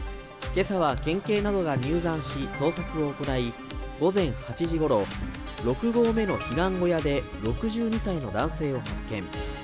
けさは県警などが入山し、捜索を行い、午前８時ごろ、６合目の避難小屋で、６２歳の男性を発見。